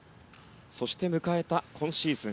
そして迎えた今シーズン